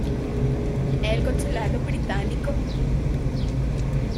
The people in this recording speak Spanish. El Consulado británico.